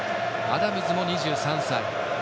アダムズも２３歳。